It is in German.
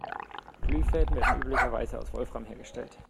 Glühfäden werden üblicherweise aus Wolfram hergestellt.